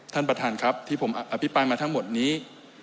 ท่านประธานครับที่ผมอภิปรายมาทั้งหมดนี้